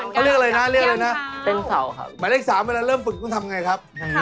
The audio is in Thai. อ๋อเขาเรียกอะไรนะเรียกอะไรนะเป็นเหมือนกันครับแก้งขาว